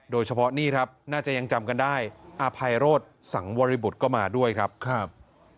โดยเฉพาะนี่ครับน่าจะยังจำกันได้อภัยโรธสังวริบุตรก็มาด้วยครับครับ